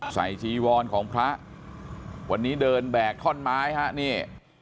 จีวรของพระวันนี้เดินแบกท่อนไม้ฮะนี่